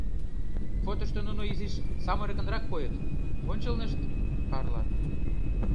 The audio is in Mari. Фотошто нуно изиш самырыкынрак койыт, ончылнышт — Карла.